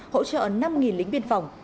hỗ trợ năm lính biên phòng